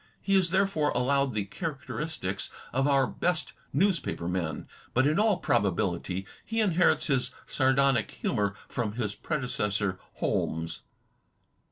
He is there fore allowed the characteristics of our best newspaper men, but in all probability he inherits his sardonic humor from his predecessor Holmes.